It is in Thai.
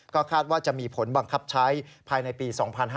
ก็จะมีผลบังคับใช้ภายในปี